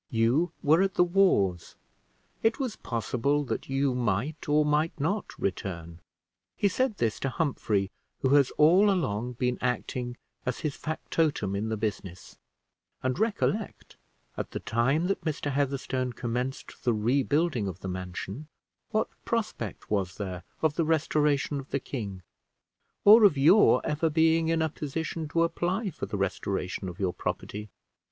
You were at the wars; it was possible that you might, or might not return. He said this to Humphrey, who has all along been acting as his factotum in the business; and recollect, at the time that Mr. Heatherstone commenced the rebuilding of the mansion, what prospect was there of the restoration of the king, or of your ever being in a position to apply for the restoration of your property!